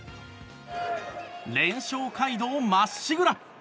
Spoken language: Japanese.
連勝街道まっしぐら！